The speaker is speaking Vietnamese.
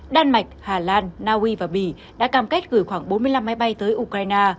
đan mạch hà lan naui và bỉ đã cam kết gửi khoảng bốn mươi năm máy bay tới ukraine